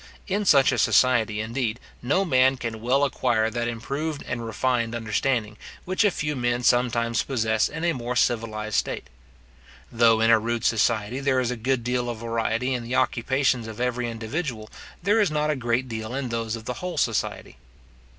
In such a society, indeed, no man can well acquire that improved and refined understanding which a few men sometimes possess in a more civilized state. Though in a rude society there is a good deal of variety in the occupations of every individual, there is not a great deal in those of the whole society.